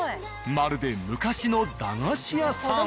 まるで昔の駄菓子屋さん。